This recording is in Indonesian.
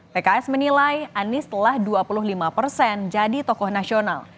pks menilai anies telah dua puluh lima persen jadi tokoh nasional